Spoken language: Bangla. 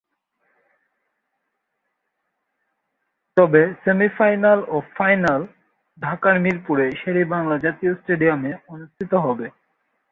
তবে সেমিফাইনাল ও ফাইনাল ঢাকার মিরপুরে শের-ই-বাংলা জাতীয় স্টেডিয়ামে অনুষ্ঠিত হবে।